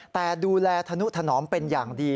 แต่ดูแลธนุถนอมเป็นอย่างดี